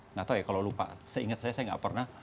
nggak tahu ya kalau lupa seingat saya saya nggak pernah